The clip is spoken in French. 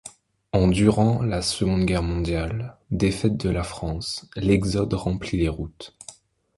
En durant la Seconde Guerre mondiale, défaite de la France, l’exode remplit les routes.